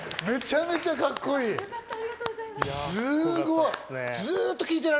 めちゃめちゃカッコいい！